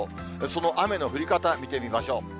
その雨の降り方、見てみましょう。